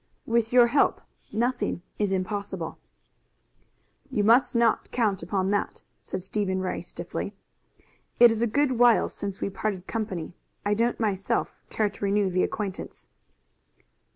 "With your help nothing is impossible." "You must not count upon that," said Stephen Ray stiffly. "It is a good while since we parted company. I don't myself care to renew the acquaintance."